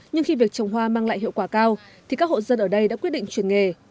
nhưng khi việc trồng hoa mang lại hiệu quả cao thì các hộ dân ở đây đã quyết định chuyển nghề